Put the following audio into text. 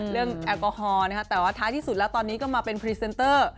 แอลกอฮอล์นะคะแต่ว่าท้ายที่สุดแล้วตอนนี้ก็มาเป็นพรีเซนเตอร์